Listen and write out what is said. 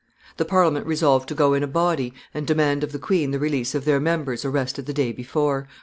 The Parliament resolved to go in a body and demand of the queen the release of their members arrested the day before.